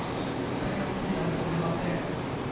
大変惜しいかもしれません。